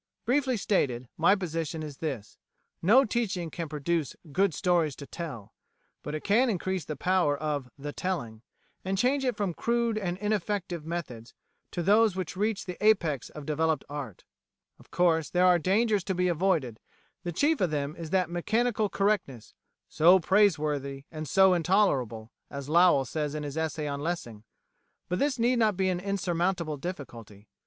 Briefly stated, my position is this: no teaching can produce "good stories to tell," but it can increase the power of "the telling," and change it from crude and ineffective methods to those which reach the apex of developed art. Of course there are dangers to be avoided, and the chief of them is that mechanical correctness, "so praiseworthy and so intolerable," as Lowell says in his essay on Lessing. But this need not be an insurmountable difficulty.